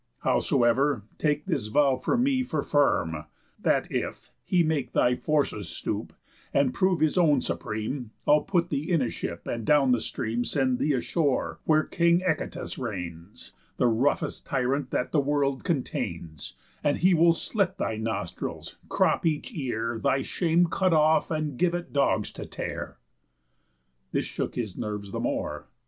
Howsoever, take This vow from me for firm: That if, he make Thy forces stoop, and prove his own supreme, I'll put thee in a ship, and down the stream Send thee ashore where King Echetus reigns, (The roughest tyrant that the world contains) And he will slit thy nostrils, crop each ear, Thy shame cut off, and give it dogs to tear." This shook his nerves the more.